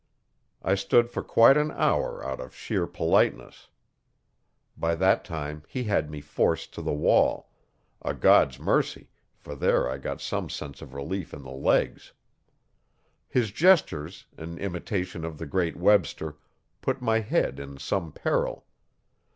I stood for quite an hour out of sheer politeness. By that time he had me forced to the wall a God's mercy, for there I got some sense of relief in the legs. His gestures, in imitation of the great Webster, put my head in some peril.